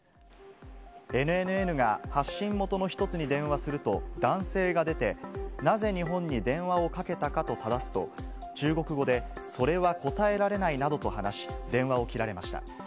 ＮＮＮが発信元の一つに電話すると、男性が出て、なぜ日本に電話をかけたかとただすと、中国語で、それは答えられないなどと話し、電話を切られました。